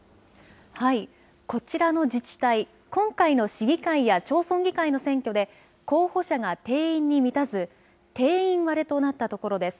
こちらの自治体、今回の市議会や町村議会の選挙で候補者が定員に満たず定員割れとなったところです。